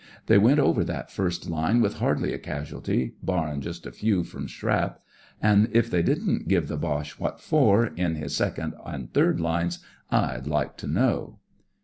They went over that first line with hardly a casualty, barrin' just a few from shrap ; an' if they didn't give the Boche what for, in his second an' third hues, I'd like to know.